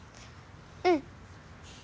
うん。